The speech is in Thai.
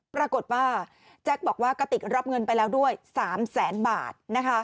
ปรากฏว่าแจ็คบอกว่ากระติกรับเงินไปแล้วด้วย๓แสนบาท